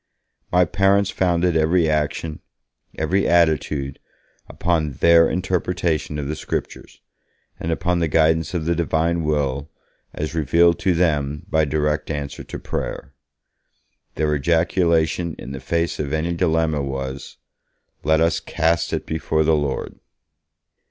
My parents founded every action, every attitude, upon their interpretation of the Scriptures, and upon the guidance of the Divine Will as revealed to them by direct answer to prayer. Their ejaculation in the face of any dilemma was, 'Let us cast it before the Lord!'